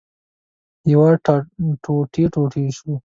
هېواد ټوټې ټوټې شو.